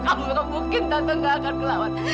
kamu tak mungkin tante gak akan ke laut